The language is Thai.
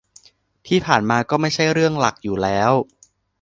ที่ผ่านมาก็ไม่ใช่เรื่องหลักอยู่แล้ว